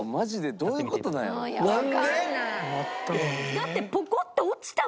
だって。